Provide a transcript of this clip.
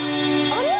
あれ？